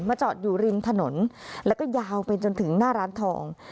จอดอยู่ริมถนนแล้วก็ยาวไปจนถึงหน้าร้านทอง